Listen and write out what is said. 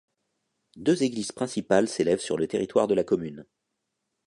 Deux églises principales s'élèvent sur le territoire de la commune.